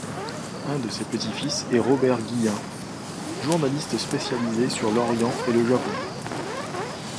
Un de ses petits-fils est Robert Guillain, journaliste spécialisé sur l'Orient et le Japon.